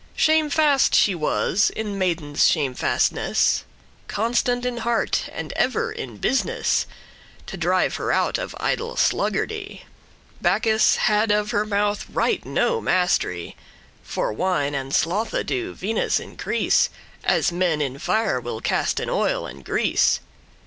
Shamefast she was in maiden's shamefastness, Constant in heart, and ever *in business* *diligent, eager* To drive her out of idle sluggardy: Bacchus had of her mouth right no mast'ry. For wine and slothe <3> do Venus increase, As men in fire will casten oil and grease.